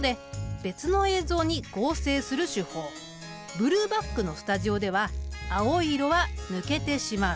ブルーバックのスタジオでは青い色は抜けてしまう。